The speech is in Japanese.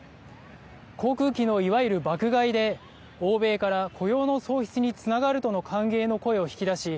航空機のいわゆる爆買いで欧米から、雇用の創出につながるとの歓迎の声を引き出し